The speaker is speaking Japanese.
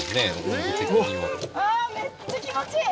ああめっちゃ気持ちいい！